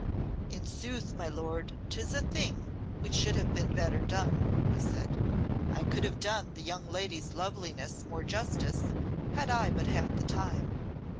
"In sooth, my lord, 'tis a thing which should have been better done," he said. "I could have done the young lady's loveliness more justice, had I but had the time.